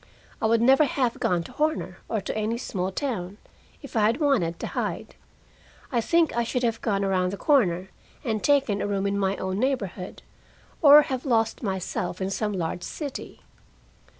I would never have gone to Horner, or to any small town, if I had wanted to hide. I think I should have gone around the corner and taken a room in my own neighborhood, or have lost myself in some large city.